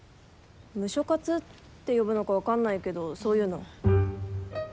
ムショ活って呼ぶのか分かんないけど、そういうの。